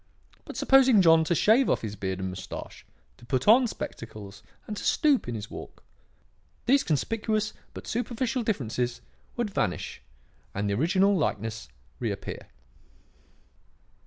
But supposing John to shave off his beard and moustache, to put on spectacles and to stoop in his walk, these conspicuous but superficial differences would vanish and the original likeness reappear.